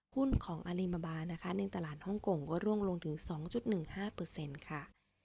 หุ้นของอาริมาบานะคะในตลาดฮ่องกงก็ร่วงลงถึง๒๑๕ค่ะ